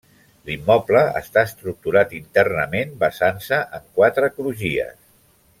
L'immoble està estructurat internament basant-se en quatre crugies.